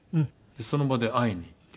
その場で会いに行って。